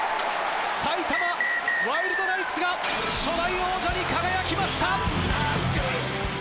埼玉ワイルドナイツが初代王者に輝きました！